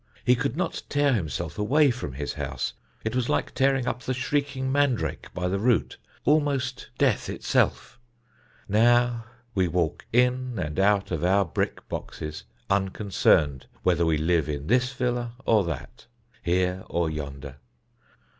He could not tear himself away from his house, it was like tearing up the shrieking mandrake by the root, almost death itself. Now we walk in and out of our brick boxes unconcerned whether we live in this villa or that, here or yonder.